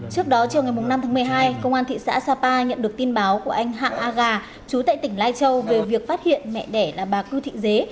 trước đó chiều ngày năm tháng một mươi hai công an thị xã sapa nhận được tin báo của anh hạng a gà chú tại tỉnh lai châu về việc phát hiện mẹ đẻ là bà cư thị dế